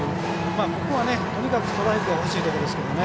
ここはとにかくストライクが欲しいところですからね。